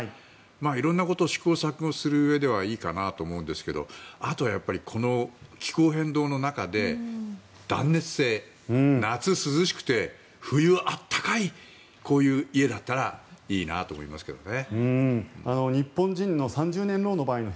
色んなことを試行錯誤するうえではいいかなと思うんですがあとは気候変動の中で断熱性、夏涼しくて冬暖かいこういう家だったらいいなと思いますけどね。